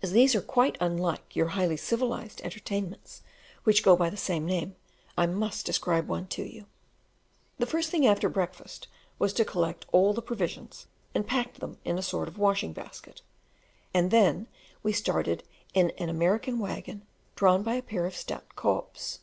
As these are quite unlike your highly civilized entertainments which go by the same name, I must describe one to you. The first thing after breakfast was to collect all the provisions, and pack them in a sort of washing basket, and then we started in an American waggon drawn by a pair of stout cobs.